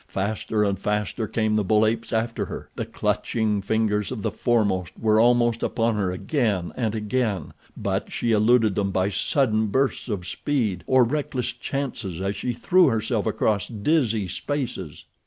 Faster and faster came the bull apes after her. The clutching fingers of the foremost were almost upon her again and again, but she eluded them by sudden bursts of speed or reckless chances as she threw herself across dizzy spaces.